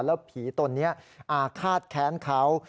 แล้วผีตัวนี้คาดแค้นเขา